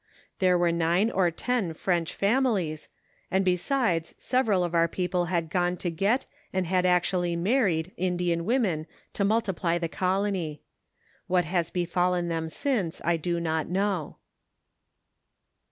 There were there nine or ten French families, and, besides, several of onr people had gone to get and had actnally married Indian women to multiply the colony. What has befallen them since, I do not know.